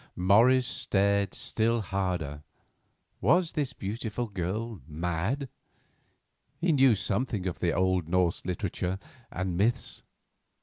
Morris stared still harder. Was this beautiful girl mad? He knew something of the old Norse literature and myths.